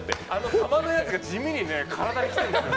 球のやつが地味に体にきてるんですよ。